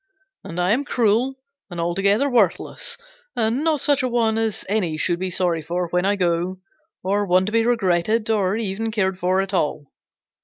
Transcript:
'And I am cruel and altogether worthless and not such a one as any should be sorry for when I go, or one to be regretted, or even cared for at all.'